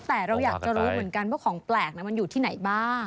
แต่เราอยากจะรู้เหมือนกันว่าของแปลกมันอยู่ที่ไหนบ้าง